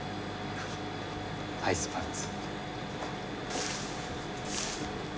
アイスパンツ。